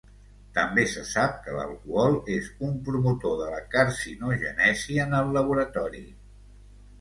També se sap que l'alcohol és un promotor de la carcinogènesi en el laboratori.